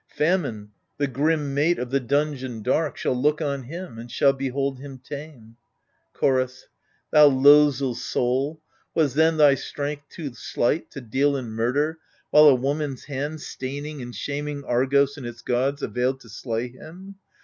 Famine, the grim mate of the dungeon dark. Shall look on him and shall behold him tame. Chorus • Thou losel soul, was then thy strength too slight To deal in murder, while a woman's hand. Staining and shaming Argos and its gods, Availed to slay him